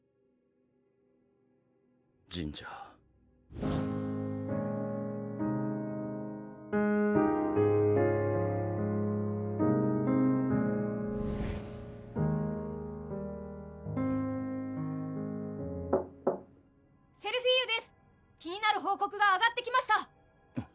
ジンジャー・・・セルフィーユです・・気になる報告が上がってきました